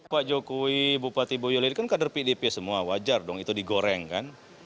pak jokowi bupati boyolali kan kader pdp semua wajar dong itu digoreng kan